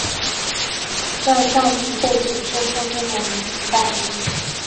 此站站名背景是附近的民族大街。